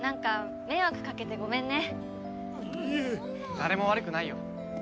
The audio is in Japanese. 誰も悪くないよ。